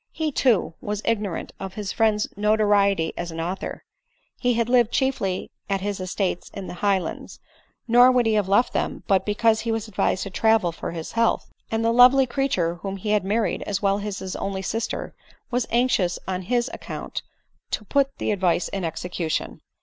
He too was igno rant of his friend's notoriety as an author ; he had lived m* ADELINE MOWBRAY. <J$ chiefly at his estates in the Highlands; nor would he hare left them, but because he was advised to travel for his health ; and the lovely creature whom he had married, as well as his only sister, was anxious on his ac count to put {he advioe in execution.